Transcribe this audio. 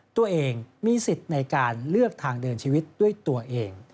ตัวเองมีสิทธิ์ในการเลือกทางเดินชีวิตด้วยตัวเอง